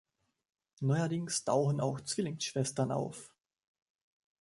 Neuerdings tauchen auch Zwillingsschwestern auf.